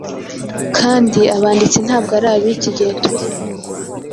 kandi abanditsi ntabwo ari ab‟iki gihe turimo.